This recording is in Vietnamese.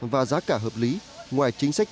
và giá cả hợp lý ngoài chính sách